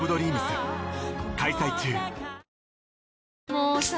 もうさ